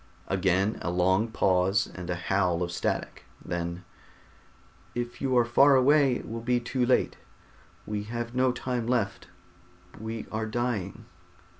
Again a long pause and a howl of static. Then: "If you are far away it will be too late. We have no time left, we are dying...."